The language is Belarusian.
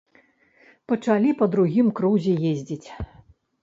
Пачалі па другім крузе ездзіць.